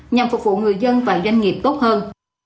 nhằm phục vụ người dân và doanh nghiệp tốt hơn